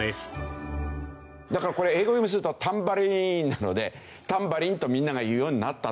だからこれ英語読みすると「タンバリーン」なので「タンバリン」とみんなが言うようになったと。